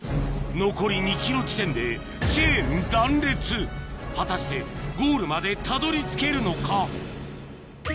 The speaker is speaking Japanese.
残り２ｋｍ地点で果たしてゴールまでたどり着けるのか？